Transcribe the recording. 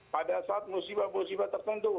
pada saat musibah musibah tertentu